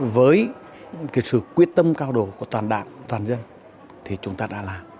với sự quyết tâm cao độ của toàn đảng toàn dân thì chúng ta đã làm